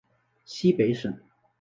西北省